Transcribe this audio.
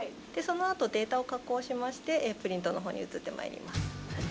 そのあとデータを加工しましてプリントのほうに移って参ります。